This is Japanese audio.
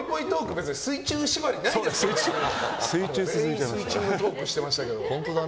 全員水中でトークしてましたけど。